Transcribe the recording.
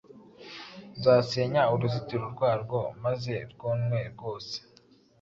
Nzasenya uruzitiro rwarwo, maze rwonwe rwose;